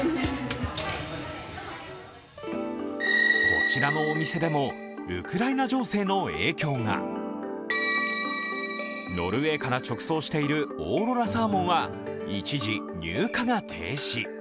こちらのお店でもウクライナ情勢の影響がノルウェーから直送しているオーロラサーモンは一時入荷が停止。